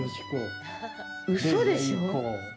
うそでしょう？